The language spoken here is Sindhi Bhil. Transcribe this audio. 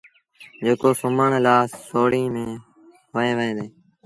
جيڪو سُومڻ لآ سوڙيٚن ميݩ هنئيٚ وهي ديٚ